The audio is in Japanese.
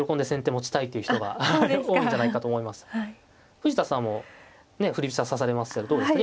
藤田さんも振り飛車指されますけどどうですかね。